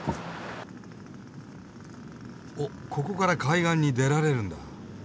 おここから海岸に出られるんだ。